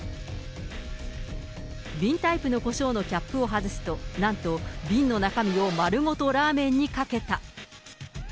瓶タイプのコショウのキャップを外すと、なんと瓶の中身を丸ごとラーメンにかけた。